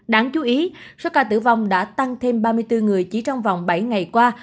đáng chú ý số ca tử vong đã tăng thêm ba mươi bốn người chỉ trong vòng bảy ngày qua